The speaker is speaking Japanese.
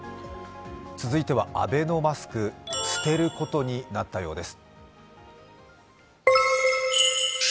続いてはアベノマスク捨てることになったようです。